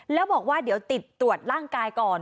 แล้วบอกว่าเดี๋ยวติดตรวจร่างกายก่อน